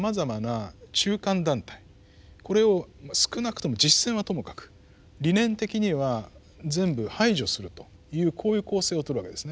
これを少なくとも実践はともかく理念的には全部排除するというこういう構成をとるわけですね。